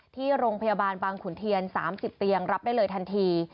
ที่โรงพยาบาลบางขุนเทียน๓๐เตียงรับได้เลยทันที